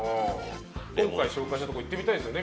今回紹介したとこ行ってみたいですよね。